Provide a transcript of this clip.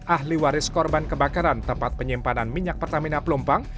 ahli waris korban kebakaran tempat penyimpanan minyak pertamina pelumpang